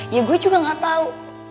ya gue juga gak tahu